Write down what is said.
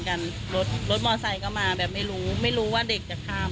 กันรถรถมอไซค์ก็มาแบบไม่รู้ไม่รู้ว่าเด็กจะข้าม